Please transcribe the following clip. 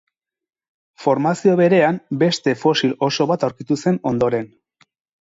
Formazio berean beste fosil oso bat aurkitu zen ondoren.